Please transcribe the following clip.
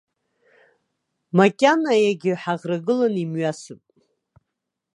Макьана иагьаҩ ҳаӷрагылан имҩасып.